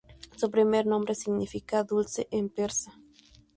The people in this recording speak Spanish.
Su primer nombre significa "dulce" en persa.